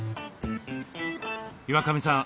岩上さん